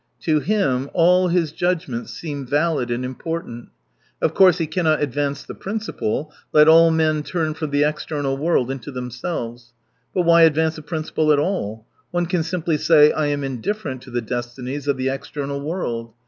To him all his judgments seem valid and important. Of course he cannot advance the principle : let all men turn from the external world into themselves. But why advance a principle at all ? One can simply say : I am indifferent to the destinies of the external world.